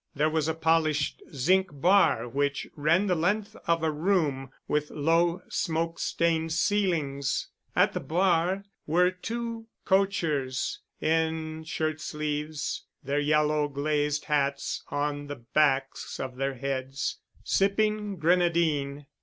There was a polished zinc bar which ran the length of a room with low, smoke stained ceilings. At the bar were two cochers, in shirt sleeves, their yellow glazed hats on the backs of their heads, sipping grenadine.